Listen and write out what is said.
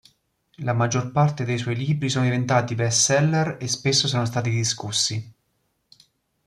La maggior parte dei suoi libri sono diventati bestseller e spesso sono stati discussi.